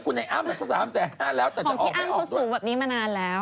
คุณอัมประมาณ๓๕แสนแล้ว